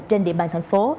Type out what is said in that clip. trên địa bàn thành phố